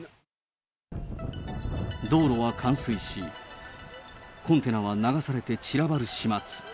道路は冠水し、コンテナは流されて散らばる始末。